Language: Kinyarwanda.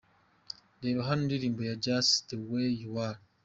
Reba hano indirimbo ye ’Just the way you are’:.